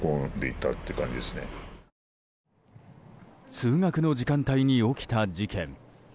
通学の時間帯に起きた事件。